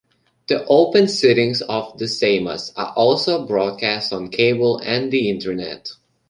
The open sittings of the Seimas are also broadcast on cable and the internet.